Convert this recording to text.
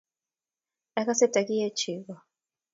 Agase takie chego.